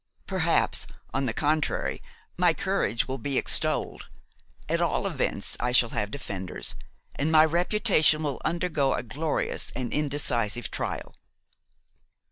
Perhaps, on the contrary, my courage will be extolled, at all events I shall have defenders, and my reputation will undergo a glorious and indecisive trial.